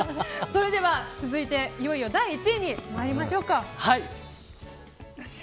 それでは続いていよいよ第１位に参りましょうか。